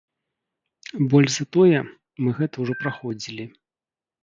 Больш за тое, мы гэта ўжо праходзілі.